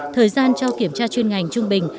thời gian cho kiểm tra chuyên ngành trung bình